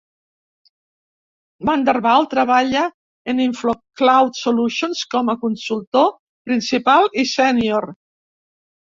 Vander Wal treballa en InfoCloud Solutions com a consultor principal i sènior.